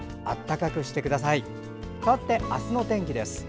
かわって明日の天気です。